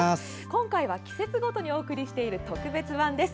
今回は季節ごとにお送りしている特別版です。